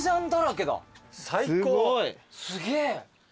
すげえ。